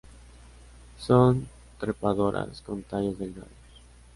Son trepadoras; con tallos delgados.